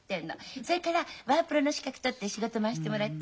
それからワープロの資格取って仕事回してもらって。